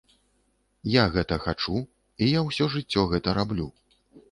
Я гэта хачу і я ўсё жыццё гэта раблю.